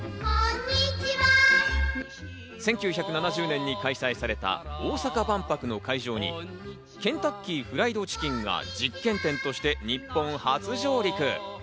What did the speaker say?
１９７０年に開催された大阪万博の会場にケンタッキー・フライド・チキンが実験店として日本初上陸。